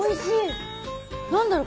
何だろう。